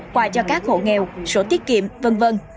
quà cho các hộ nghèo sổ tiết kiệm v v